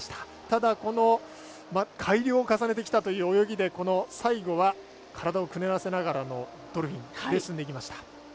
ただ、この改良を重ねてきたという泳ぎで最後は体をくねらせながらのドルフィンで進んでいきました。